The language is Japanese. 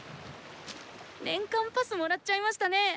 年間パスもらっちゃいましたね